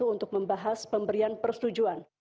untuk membahas pemberian persetujuan